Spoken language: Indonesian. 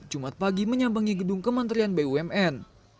jumat pagi menyambangi gedung kementerian bumn